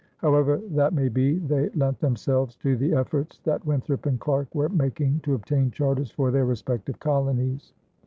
However that may be, they lent themselves to the efforts that Winthrop and Clarke were making to obtain charters for their respective colonies.